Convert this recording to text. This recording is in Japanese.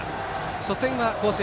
初戦は甲子園